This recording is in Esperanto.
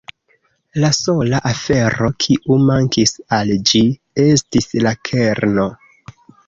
La sola afero, kiu mankis al ĝi, estis la kerno.